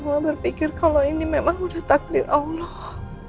mama berpikir kalau ini memang udah takdir allah